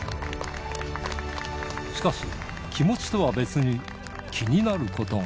しかし、気持ちとは別に気になることが。